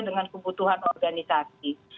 dengan kebutuhan organisasi